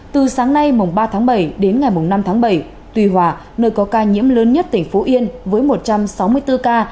từ sáng nay mùng ba tháng bảy đến ngày năm tháng bảy tùy hòa nơi có ca nhiễm lớn nhất tỉnh phú yên với một trăm sáu mươi bốn ca